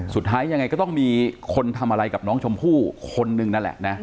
สุดท้ายยังไงก็ต้องมีคนทำอะไรกับน้องชมพู่คนนึงนั่นแหละนะ